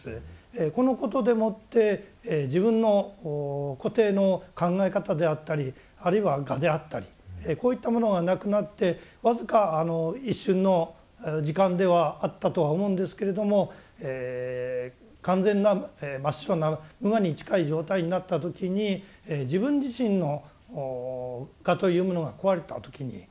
このことでもって自分の固定の考え方であったりあるいは我であったりこういったものがなくなって僅か一瞬の時間ではあったとは思うんですけれども完全な真っ白な無我に近い状態になった時に自分自身の我というものが壊れた時に非常に安楽に感じたんですね。